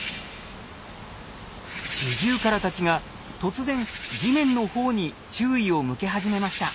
シジュウカラたちが突然地面の方に注意を向け始めました。